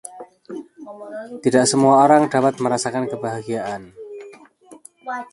Tidak semua orang dapat merasakan kebahagiaan.